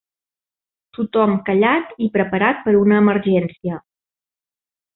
Tothom callat i preparat per una emergència.